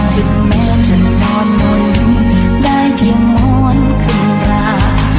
ถึงแม้จะนอนหน่อยได้เกี่ยวม้อนคืนรา